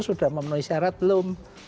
sudah memenuhi syarat belum